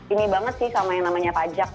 ini banget sih sama yang namanya pajak